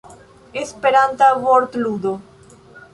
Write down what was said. Esperanta vortludo.